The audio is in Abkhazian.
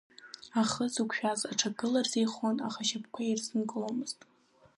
Ахы зықәшәаз аҽы агыларазы еихон, аха ашьапқәа ирзынкыломызт.